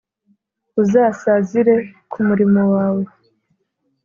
uzasazire ku murimo wawe